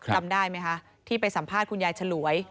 จำได้ไหมคะที่ไปสัมภาษณ์คุณยายฉลวย